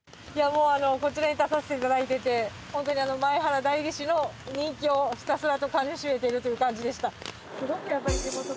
もう、こちらに立たせていただいていて、本当に前原代議士の人気をひたすらとかみしめているという感じでした。